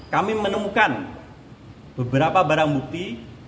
kami menemukan beberapa barang bukti